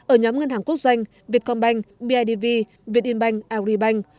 ở nhóm ngân hàng quốc doanh việt công banh bidv việt inbank auribank